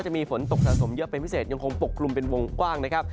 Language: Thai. จะมีฝนตกสะสมเยอะเป็นพิเศษยังคงปกกลุ่มเป็นวงกว้างนะครับ